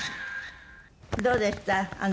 どうでした？